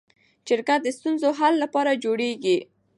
جرګه د ستونزو حل لپاره جوړیږي